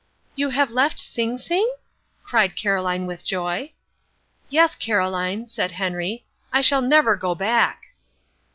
"You have left Sing Sing?" cried Caroline with joy. "Yes, Caroline," said Henry. "I shall never go back."